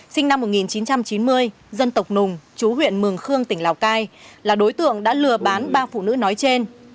sinh năm một nghìn chín trăm chín mươi dân tộc nùng chú huyện mường khương tỉnh lào cai là đối tượng đã lừa bán ba phụ nữ nói trên